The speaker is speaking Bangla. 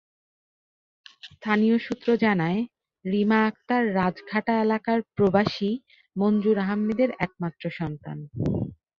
স্থানীয় সূত্র জানায়, রীমা আক্তার রাজঘাটা এলাকার প্রবাসী মনজুর আহমদের একমাত্র সন্তান।